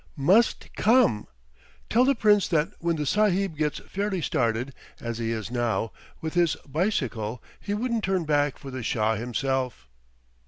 "'Must come!' Tell the Prince that when the sahib gets fairly started, as he is now, with his bicycle, he wouldn't turn back for the Shah himself."